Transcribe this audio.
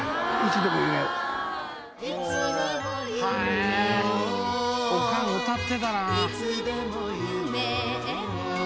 へえおかん歌ってたな。